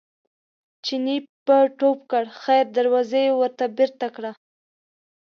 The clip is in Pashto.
چیني به ټوپ کړ خیر دروازه یې ورته بېرته کړه.